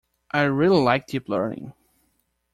I really like Deep Learning.